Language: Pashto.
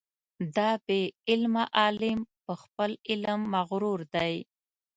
دا بې علمه عالم په خپل علم مغرور دی.